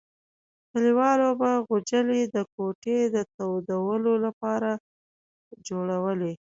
کلیوالو به غوجلې د کوټې د تودولو لپاره جوړولې.